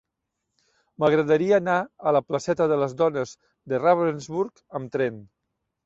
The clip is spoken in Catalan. M'agradaria anar a la placeta de les Dones de Ravensbrück amb tren.